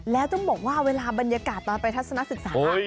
แล้วต้องบอกว่าเวลาบรรยากาศตอนไปทัศนศึกษา